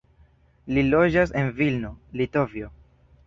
Li loĝas en Vilno, Litovio.